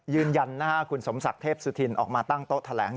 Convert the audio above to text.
ยืนยันนะฮะคุณสมศักดิ์เทพสุธินออกมาตั้งโต๊ะแถลง